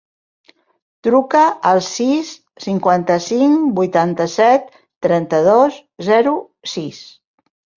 Truca al sis, cinquanta-cinc, vuitanta-set, trenta-dos, zero, sis.